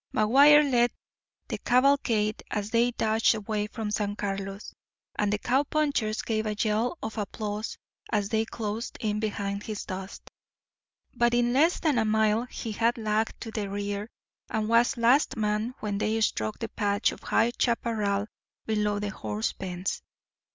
McGuire led the cavalcade as they dashed away for San Carlos, and the cow punchers gave a yell of applause as they closed in behind his dust. But in less than a mile he had lagged to the rear, and was last man when they struck the patch of high chaparral below the horse pens.